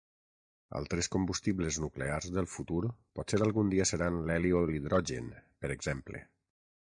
Altres combustibles nuclears del futur potser algun dia seran l'heli o l'hidrogen, per exemple.